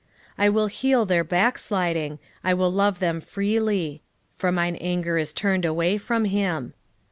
14:4 I will heal their backsliding, I will love them freely: for mine anger is turned away from him.